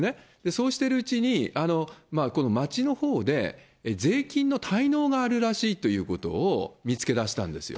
そうしてるうちに、この町のほうで、税金の滞納があるらしいということを見つけ出したんですよ。